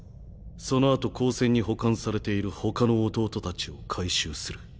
そのあと高専に保管されているほかの弟たちを回収する。